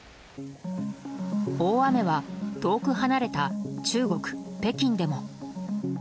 大雨は遠く離れた中国・北京でも。